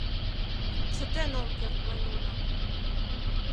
Чытен ом керт мый нуным!